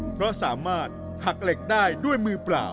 เพราะสามารถหักเหล็กได้ด้วยมือเปล่า